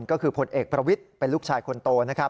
ก็คือพลเอกประวิทย์เป็นลูกชายคนโต